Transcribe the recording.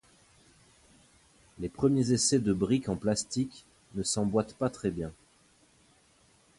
Les premiers essais de brique en plastique ne s'emboîtent pas très bien.